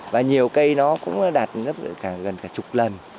và nhiều cây nó cũng đạt gấp gần cả chục lần